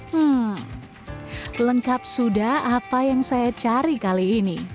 hmm lengkap sudah apa yang saya cari kali ini